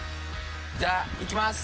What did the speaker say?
じゃあ、行きます。